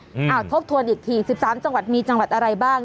อ้าวทบทวนอีกที๑๓จังหวัดมีจังหวัดอะไรบ้าง